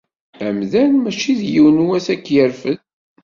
Amdan mačči d yiwen wass ad ak-yerfed.